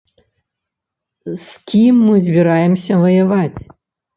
З кім мы збіраемся ваяваць?